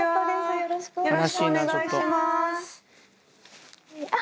よろしくお願いします。